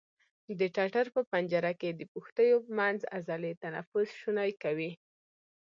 د ټټر په پنجره کې د پښتیو منځ عضلې تنفس شونی کوي.